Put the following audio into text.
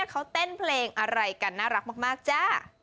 เขาเต้นเพลงอะไรกันน่ารักมากจ้า